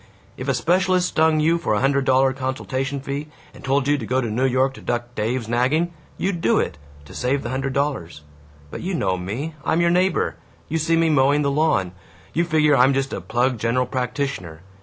If a specialist stung you for a hundred dollar consultation fee and told you to go to New York to duck Dave's nagging, you'd do it, to save the hundred dollars! But you know me I'm your neighbor you see me mowing the lawn you figure I'm just a plug general practitioner.